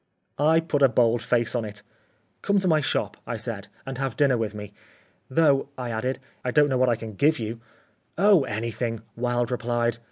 I put a bold face on it. "Come to my shop," I said, "and have dinner with me. Though," I added, "I don't know what I can give you." "Oh, anything," Wilde replied.